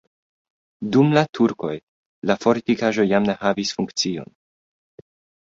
Dum la turkoj la fortikaĵo jam ne havis funkcion.